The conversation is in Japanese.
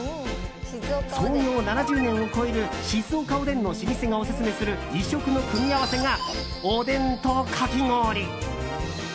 創業７０年を超える静岡おでんの老舗がオススメする異色の組み合わせがおでんとかき氷。